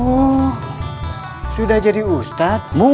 oh sudah jadi ustadz